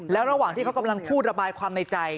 แล้วระหว่างที่เขากำลังพูดระบายความในใจ